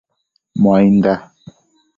Muainda